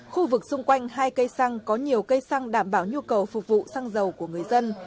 khu vực xung quanh hai cây xăng có nhiều cây xăng đảm bảo nhu cầu phục vụ xăng dầu của người dân